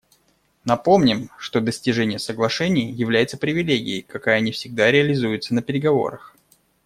Напомним, что достижение соглашений является привилегией, какая не всегда реализуется на переговорах.